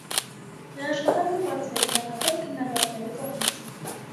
Նրա աշխատանքը բարձր է գնահատվել քննադատների կողմից։